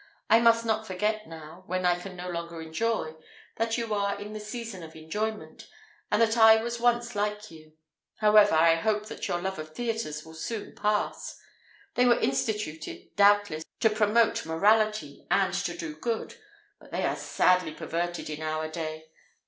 I must not forget now, when I can no longer enjoy, that you are in the season of enjoyment, and that I was once like you. However, I hope that your love of theatres will soon pass. They were instituted, doubtless, to promote morality, and to do good, but they are sadly perverted in our day.